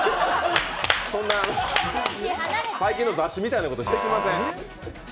そんな最近の雑誌みたいなことしてきません。